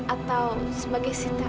atau sebagai sita